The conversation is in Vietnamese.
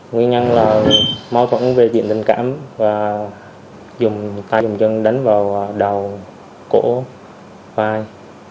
nguyên nhân là mâu thuẫn về diện tình cảm và dùng tay dùng chân đánh vào đầu cổ vai